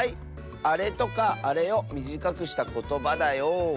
「あれ」とか「あれ」をみじかくしたことばだよ。